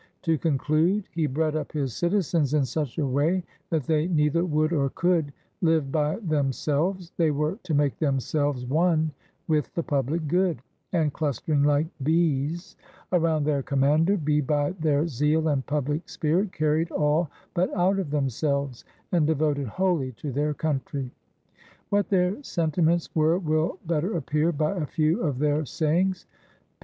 To conclude, he bred up his citizens in such a way that they neither would or could live by themselves; they were to make themselves one with the public good, and, clustering like bees around their commander, be by their zeal and public spirit carried all but out of them selves, and devoted wholly to their country. What their sentiments were will better appear by a few of their 52 GREECE sayings.